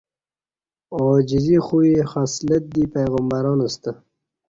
عاجزی خوی خصلت دی پیغمبران ستہ